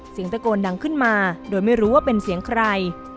เสียงตะโกนดังขึ้นมาโดยไม่รู้ว่าเป็นเสียงใคร